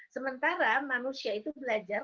sementara manusia itu belajar